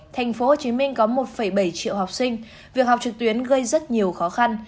tp hcm có một bảy triệu học sinh việc học trực tuyến gây rất nhiều khó khăn